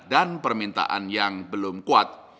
dan permintaan yang belum kuat